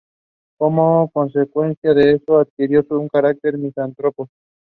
Some of its later sailboats were produced under contract in Taiwan.